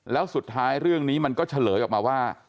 แล้วสุดท้ายเรื่องนี้มันก็เฉลยออกมาว่า